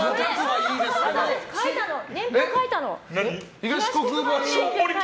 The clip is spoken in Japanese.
年表、書いたの。